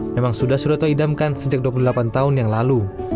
memang sudah suroto idamkan sejak dua puluh delapan tahun yang lalu